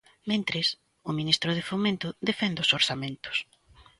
Mentres, o ministro de Fomento defende os orzamentos.